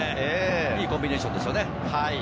いいコンビネーションでしたね。